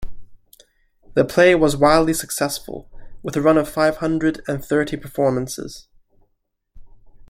The play was wildly successful, with a run of five hundred and thirty performances.